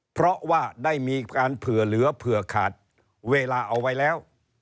เพราะว่าได้มีการเผื่อเหลือเผื่อขาดเวลาเอาไว้แล้ว